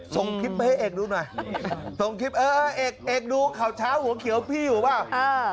ส่งคลิปมาให้เอกดูหน่อยส่งคลิปเออเอกเอกดูข่าวเช้าหัวเขียวพี่อยู่เปล่า